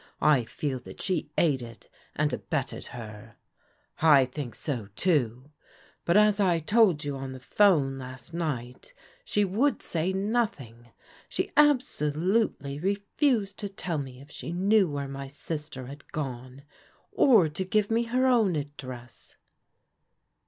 I feel that she aided and abetted her." " I think so too. But as I told you on the 'phone last nigbt, she would say nothing. She absolutely refused to tell me if she knew where my sister had gone, or to give me her own address."